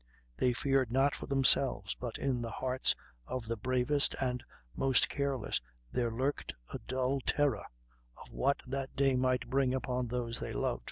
They feared not for themselves; but in the hearts of the bravest and most careless there lurked a dull terror of what that day might bring upon those they loved.